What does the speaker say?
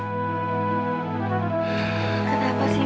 kenapa sih mak